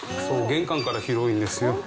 玄関から広いんですよ。